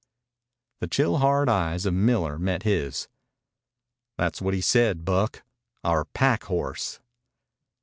The chill, hard eyes of Miller met his. "That's what he said, Buck our pack horse."